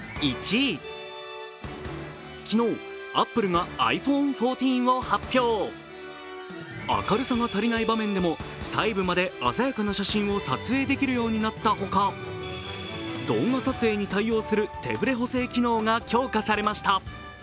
昨日、アップルがｉＰｈｏｎｅ１４を発表明るさが足りない場面でも細部まで鮮やかな写真を撮影できるようになったほか、動画撮影に対応する手ぶれ補正機能が強化されました。